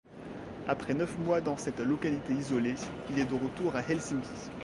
Après neuf mois dans cette localité isolée, il est de retour à Helsinki.